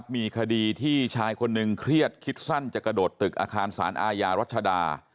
มีคดีที่ชายคนหนึ่งเครียดคิดสั้นจะกระโดดตึกอาคารสารอาญารัชดา